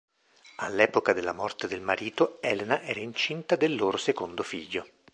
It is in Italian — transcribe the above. All'epoca della morte del marito, Elena era incinta del loro secondo figlio.